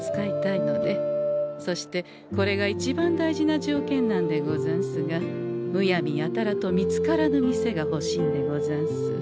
そしてこれが一番大事な条件なんでござんすがむやみやたらと見つからぬ店がほしいんでござんす。